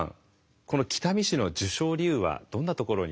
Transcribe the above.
この北見市の受賞理由はどんなところにありましたか？